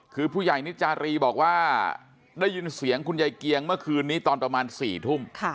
คือผู้ใหญ่นิจารีบอกว่าได้ยินเสียงคุณยายเกียงเมื่อคืนนี้ตอนประมาณ๔ทุ่ม